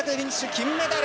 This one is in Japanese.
金メダル！